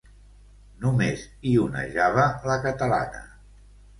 Només hi onejava la catalana.